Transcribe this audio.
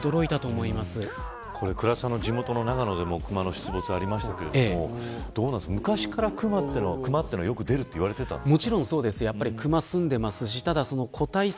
地元の長野でもクマの出没ありましたが昔からクマというのはよく出ると言われていたんですか。